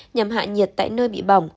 nhằm hạ nhiệt tại nơi bị bỏng